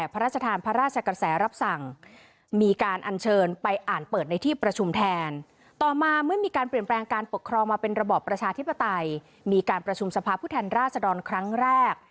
เปิดประชุมภาพผู้แทนราชดรรค์ครั้งแรก